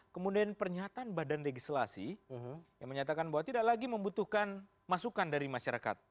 kemudian pernyataan badan legislasi yang menyatakan bahwa tidak lagi membutuhkan masukan dari masyarakat